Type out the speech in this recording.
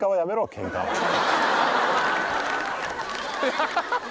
ハハハハ！